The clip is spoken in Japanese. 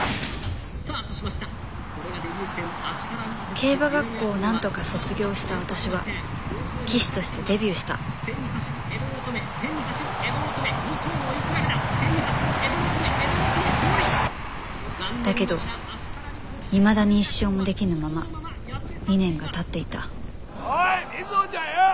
競馬学校をなんとか卒業した私は騎手としてデビューしただけどいまだに１勝もできぬまま２年がたっていたおい瑞穂ちゃんよ！